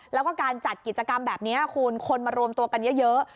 แล้วก็การจัดกิจกรรมแบบนี้คุณคนมารวมตัวกันเยอะ